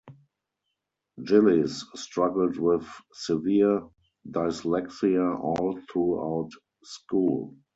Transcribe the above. Gillies struggled with severe dyslexia all throughout school.